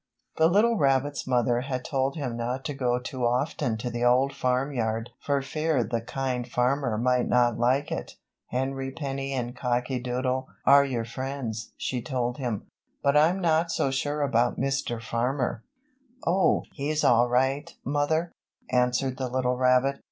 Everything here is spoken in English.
The little rabbit's mother had told him not to go too often to the Old Farm Yard for fear the Kind Farmer might not like it. "Henny Penny and Cocky Doodle are your friends," she told him, "but I'm not so sure about Mr. Farmer." "Oh, he's all right, mother," answered the little rabbit.